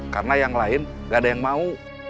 karena yang lain gak ada yang mau